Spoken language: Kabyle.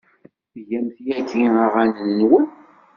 Tgamt yagi aɣanen-nwen?